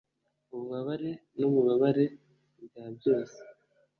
ububabare nububabare bwa byose